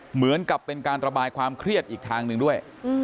เหมือนกับเป็นการระบายความเครียดอีกทางหนึ่งด้วย